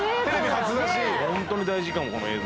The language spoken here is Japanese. ホントに大事かもこの映像。